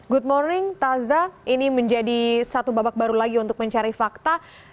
good morning taza ini menjadi satu babak baru lagi untuk mencari fakta